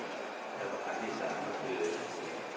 และอธิบัติการที่สามก็คือ